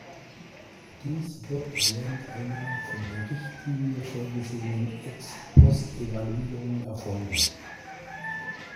Dies wird während einer von der Richtlinie vorgesehenen Ex-Post-Evaluierung erfolgen.